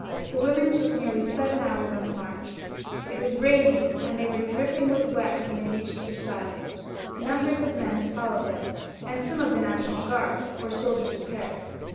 The women took nearly seven hours for the march. It was raining, and the women were dripping with wet by the time they reached Versailles. Numbers of men had followed them, and some of the National Guard, or the soldiers of Paris.